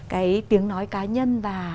cái tiếng nói cá nhân